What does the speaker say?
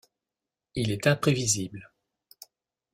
Il est imprévisible.